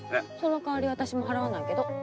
そのかわり私も払わないけど。